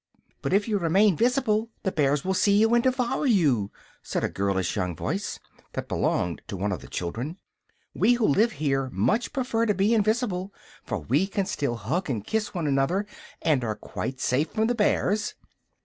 "But if you remain visible the bears will see you and devour you," said a girlish young voice, that belonged to one of the children. "We who live here much prefer to be invisible; for we can still hug and kiss one another, and are quite safe from the bears."